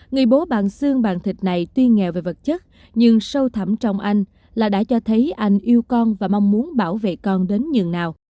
người bố bạn xương bàn thịt này tuy nghèo về vật chất nhưng sâu thẳm trong anh là đã cho thấy anh yêu con và mong muốn bảo vệ con đến nhường nào